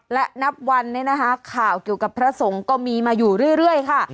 และนับวันนี้นะคะข่าวเกี่ยวกับพระสงฆ์ก็มีมาอยู่เรื่อยค่ะ